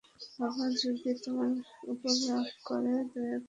বাবা যদি তোমার উপর রাগ করে, দয়া করে সহ্য করো।